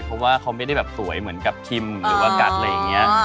เพราะว่าเขาไม่ได้แบบสวยเหมือนกับคิมหรือว่ากัสอะไรอย่างนี้